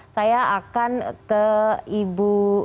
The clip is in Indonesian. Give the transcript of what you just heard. saya akan ke ibu